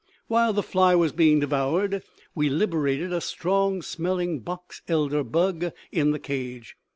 "While the fly was being devoured, we liberated a strong smelling box elder bug in the cage.